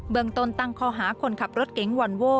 เบื้องตนตังคอหาคนขับรถเก๋งวัลโว่